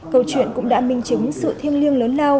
câu chuyện cũng đã minh chứng sự thiêng liêng lớn lao